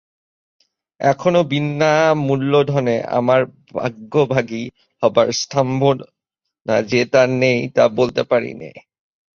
এখনও বিনা মূলধনে আমার ভাগ্যভাগী হবার সম্ভাবনা যে তার নেই তা বলতে পারি নে।